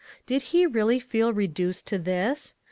Did he really feel re duced to this?